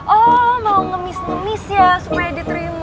oh mau ngemis ngemis ya supaya diterima